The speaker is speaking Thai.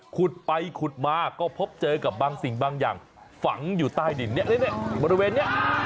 ขุดไปขุดมาก็พบเจอกับบางสิ่งบางอย่างฝังอยู่ใต้ดินเนี่ยบริเวณนี้